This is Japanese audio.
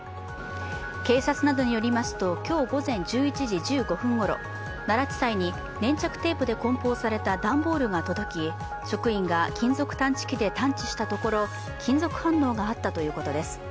警察などによりますと今日午前１１時１５分ごろ奈良地裁に粘着テープで梱包された段ボールが届き職員が金属探知機で探知したところ金属反応があったということです。